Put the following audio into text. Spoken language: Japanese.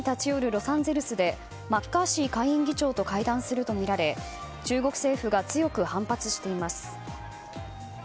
ロサンゼルスでマッカーシー下院議長と会談するとみられ中国政府が強く反発しています。